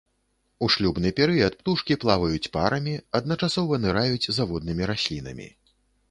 У шлюбны перыяд птушкі плаваюць парамі, адначасова ныраюць за воднымі раслінамі.